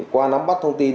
qua nắm bắt thông tin